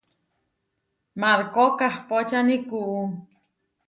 Markó kahpóčani kuú.